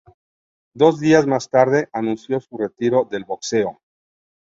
Dos días más tarde, anunció su retiro del boxeo.